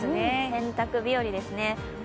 洗濯日和ですね。